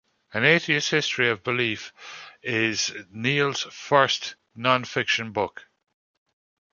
"An Atheist's History of Belief" is Kneale's first nonfiction book.